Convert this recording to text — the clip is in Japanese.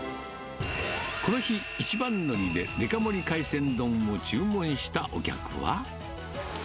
この日、一番乗りでデカ盛り海鮮丼を注文したお客は。